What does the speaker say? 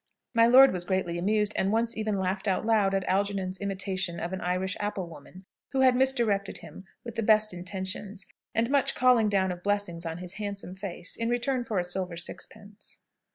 My lord was greatly amused, and once even laughed out loud at Algernon's imitation of an Irish apple woman, who had misdirected him with the best intentions, and much calling down of blessings on his handsome face, in return for a silver sixpence.